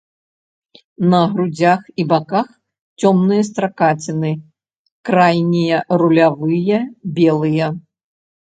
На грудзях і баках цёмныя стракаціны, крайнія рулявыя белыя.